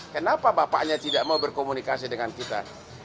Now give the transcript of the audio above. kenapa bapaknya tidak mau berkomunikasi dengan kita